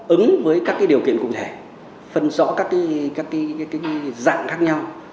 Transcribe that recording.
ứng với các điều kiện cụ thể phân rõ các dạng khác nhau